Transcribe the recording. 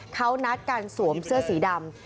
เขานัดการสวมเสื้อสีดำ